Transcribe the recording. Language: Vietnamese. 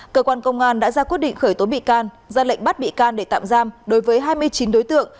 cơ quan công an đã ra quyết định khởi tố bị can ra lệnh bắt bị can để tạm giam đối với hai mươi chín đối tượng